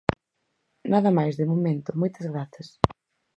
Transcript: Nada máis, de momento, moitas grazas.